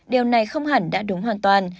điều này không hẳn đã đúng hoàn toàn